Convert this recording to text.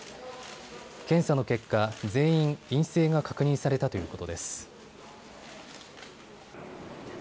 検査の結果、全員陰性が確認されたということです。